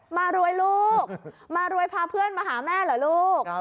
มารวยลูกมารวยพาเพื่อนมาหาแม่เหรอลูก